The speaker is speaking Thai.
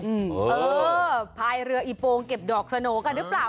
เออพายเรืออีโปงเก็บดอกสโหน่กันหรือเปล่า